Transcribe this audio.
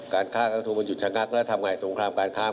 การคาดการทุกคนจุดชะงักแล้วทำงัดให้สงครามกรายค้า